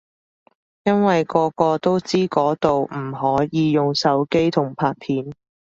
因為個個都知嗰度唔可以用手機同拍片